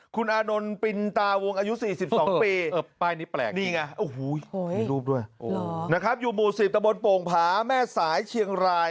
คุณอานนท์ปินตาวงอายุ๔๒ปี